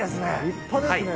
立派ですね。